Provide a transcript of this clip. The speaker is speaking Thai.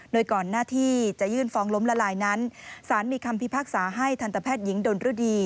โดยก่อนหน้าที่จะยื่นฟ้องล้มละลายนั้นสารมีคำพิพากษาให้ทันตแพทย์หญิงดนฤดี